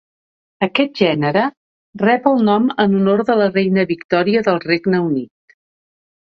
Aquest gènere rep el nom en honor de la reina Victòria del Regne Unit.